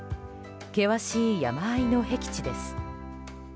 険しい山あいのへき地です。